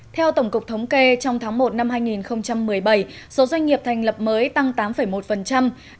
theo tổng cục thống kê trong tháng một năm hai nghìn một mươi bảy số doanh nghiệp thành lập mới tăng tám một